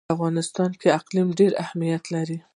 په افغانستان کې اقلیم ډېر اهمیت لري.